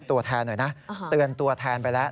ตัวแทนหน่อยนะเตือนตัวแทนไปแล้ว